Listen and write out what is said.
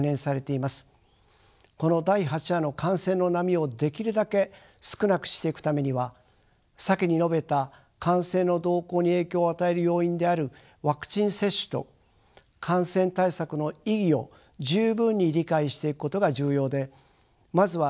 この第８波の感染の波をできるだけ少なくしていくためには先に述べた感染の動向に影響を与える要因であるワクチン接種と感染対策の意義を十分に理解していくことが重要でまずは